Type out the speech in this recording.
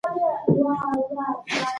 هغه نجلۍ چې راپور ورکوي ډېره فعاله ده.